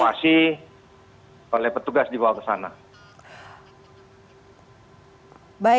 masih oleh petugas dibawa ke sana